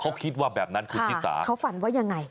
เขาคิดว่าแบบนั้นคุณชิสาเขาฝันว่ายังไง